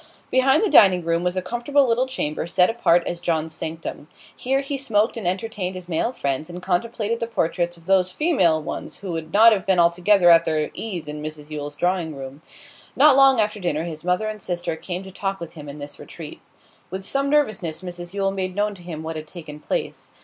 Behind the dining room was a comfortable little chamber set apart as John's sanctum; here he smoked and entertained his male friends, and contemplated the portraits of those female ones who would not have been altogether at their ease in Mrs Yule's drawing room. Not long after dinner his mother and sister came to talk with him in this retreat. With some nervousness Mrs Yule made known to him what had taken place.